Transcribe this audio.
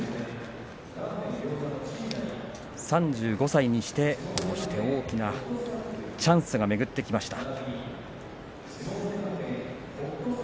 ３５歳にして大きなチャンスが巡ってきました。